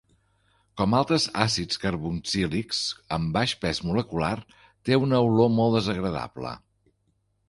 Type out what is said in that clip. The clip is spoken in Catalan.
Com altres àcids carboxílics amb baix pes molecular, té una olor molt desagradable.